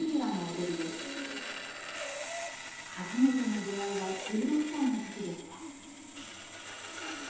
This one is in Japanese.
初めての出会いは１６歳のときでした。